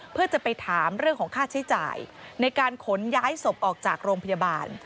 เพื่อจะไปถามเรื่องของค่าใช้จ่ายในการขนย้ายศพออกจากโรงพยาบาล